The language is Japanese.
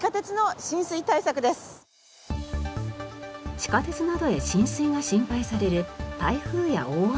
地下鉄などへ浸水が心配される台風や大雨。